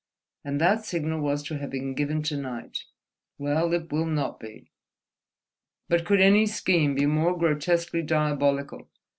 And that signal was to have been given to night. Well, it will not be." "But could any scheme be more grotesquely diabolical?